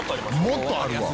もっとあるわ！」